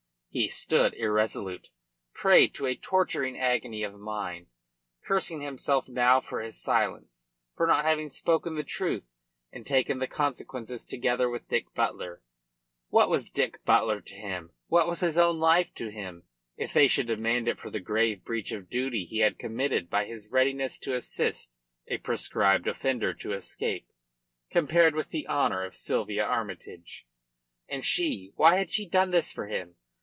He stood irresolute, prey to a torturing agony of mind, cursing himself now for his silence, for not having spoken the truth and taken the consequences together with Dick Butler. What was Dick Butler to him, what was his own life to him if they should demand it for the grave breach of duty he had committed by his readiness to assist a proscribed offender to escape compared with the honour of Sylvia Armytage? And she, why had she done this for him?